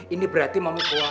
ini berarti bomi keluar